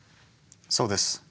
そうです。